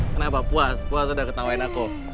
kenapa puas puas sudah ketawain aku